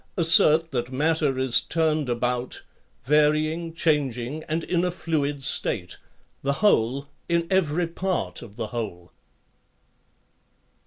assert that matter is turned about, varying, changing, and in a fluid state, the whole in every part of the whole.